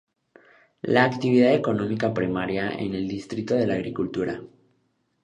La actividad económica primaria en el distrito es la agricultura.